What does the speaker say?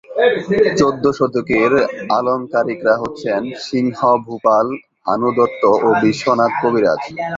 চৌদ্দ শতকের আলঙ্কারিকরা হচ্ছেন সিংহভূপাল, ভানুদত্ত ও বিশ্বনাথ কবিরাজ।